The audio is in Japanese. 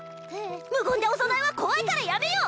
無言でお供えは怖いからやめよ！